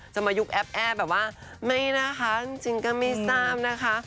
จะมายุกแอบแอบแบบว่าไม่นะคะจริงก็ไม่สามนะคะ